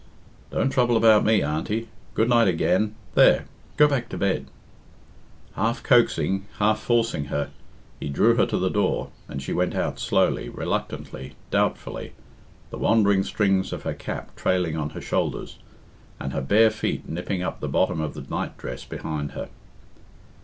"Don't trouble about me, Auntie. Good night again. There! go back to bed." Half coaxing, half forcing her, he drew her to the door, and she went out slowly, reluctantly, doubtfully, the wandering strings of her cap trailing on her shoulders, and her bare feet nipping up the bottom of the night dress behind her.